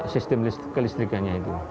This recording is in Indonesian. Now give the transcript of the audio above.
sistem kelistrikannya itu